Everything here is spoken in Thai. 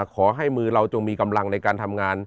ขอให้มือเราจงมีกำลังในการทำงาน